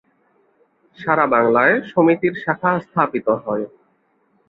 সারা বাংলায় সমিতির শাখা স্থাপিত হয়।